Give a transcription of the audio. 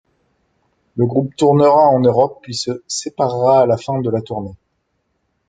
Le groupe tournera en Europe puis se séparera à la fin de la tournée.